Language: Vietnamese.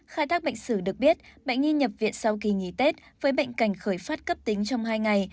khai thác bệnh sử được biết bệnh nhi nhập viện sau kỳ nghỉ tết với bệnh cảnh khởi phát cấp tính trong hai ngày